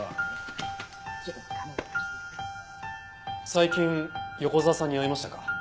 最近横沢さんに会いましたか？